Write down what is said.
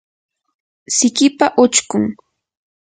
sikipa uchkun